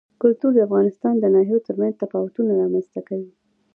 کلتور د افغانستان د ناحیو ترمنځ تفاوتونه رامنځ ته کوي.